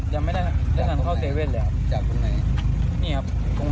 ใช่ครับ